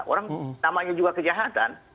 orang namanya juga kejahatan